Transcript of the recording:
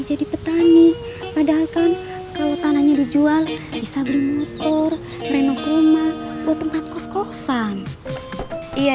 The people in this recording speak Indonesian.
jadi petani padahal kan kalau tanahnya dijual bisa beli motor renung rumah buat tempat kos kosan iya